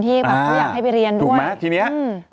ที่บางคนอยากให้ไปเรียนด้วยอ่าถูกไหมทีนี้